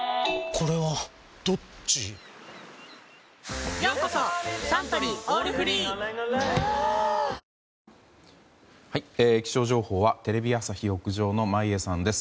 ぷはーっ気象情報はテレビ朝日の屋上の眞家さんです。